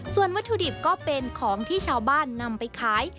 ส่วนวัตถุดิบก็เป็นของที่ชาวบ้านนำไปขาย